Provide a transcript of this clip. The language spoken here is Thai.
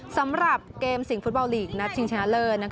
สำหรับเกมสิงฟุตบอลลีกนัดชิงชนะเลิศ